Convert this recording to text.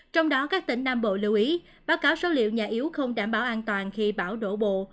trong đó các tỉnh nam bộ lưu ý báo cáo số liệu nhà yếu không đảm bảo an toàn khi bão đổ bộ